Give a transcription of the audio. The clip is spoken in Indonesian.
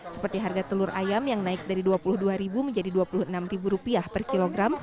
seperti harga telur ayam yang naik dari rp dua puluh dua menjadi rp dua puluh enam per kilogram